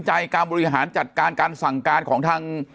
การบริหารจัดการการสั่งการของทาง